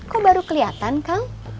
kok baru kelihatan kang